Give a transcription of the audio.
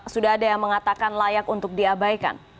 sudah ada yang mengatakan layak untuk diabaikan